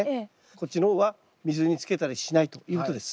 こっちの方は水につけたりしないということです。